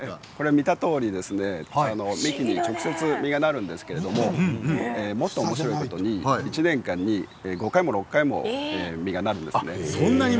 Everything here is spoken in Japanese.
見たとおり幹に直接実がなるんですけどもっとおもしろいことに１年間に５回も６回も実がなるんです。